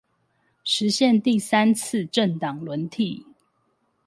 實現第三次政黨輪替